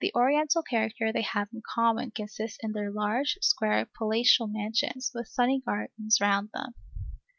The Oriental character they have in common consists in their large, square, palatial mansions, with sunny gardens round them.